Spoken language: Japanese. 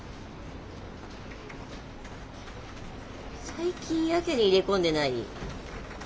最近やけに入れ込んでない？